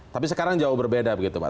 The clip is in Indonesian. tapi sekarang jauh berbeda begitu pak